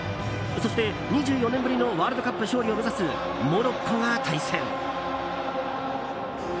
そして、２４年ぶりのワールドカップ勝利を目指すモロッコが対戦。